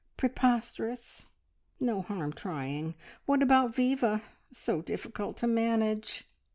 Preposterous! No harm trying. What about Viva? So difficult to manage."